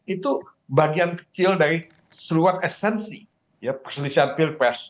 itu bagian kecil dari seluas esensi perselisihan pilpres